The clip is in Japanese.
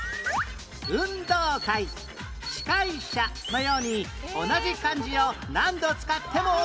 「運動会」「司会者」のように同じ漢字を何度使ってもオーケー